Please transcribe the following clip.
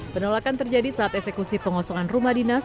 penolakan terjadi saat eksekusi pengosongan rumah dinas